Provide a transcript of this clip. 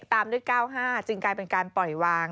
ตามด้วย๙๕จึงกลายเป็นการปล่อยวาง